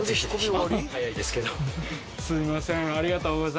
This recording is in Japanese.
すいません。